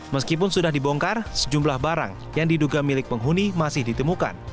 meskipun sudah dibongkar sejumlah barang yang diduga milik penghuni masih ditemukan